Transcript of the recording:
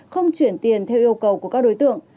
không chuyển tiền theo yêu cầu của các đối tượng